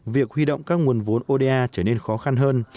việc huy động các nguồn vốn oda trở nên khó khăn hơn